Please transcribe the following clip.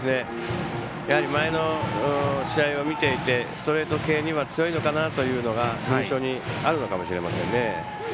やはり前の試合を見ていてストレート系には強いかなというのが印象にあるのかもしれません。